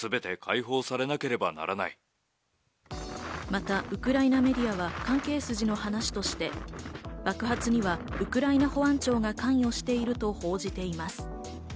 またウクライナメディアは関係筋の話として、爆発にはウクライナ保安庁が関与していると報じています。